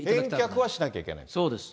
返却はしなきゃいけない。